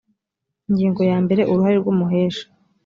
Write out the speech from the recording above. ingingo ya mbere uruhare rw umuhesha